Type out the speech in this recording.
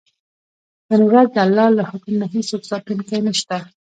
نن ورځ د الله له حکم نه هېڅوک ساتونکی نه شته.